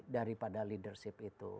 daripada leadership itu